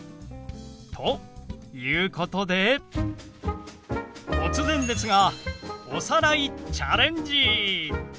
ということで突然ですがおさらいチャレンジ！